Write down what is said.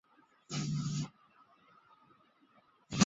对富纳角箱鲀的繁殖的研究很彻底。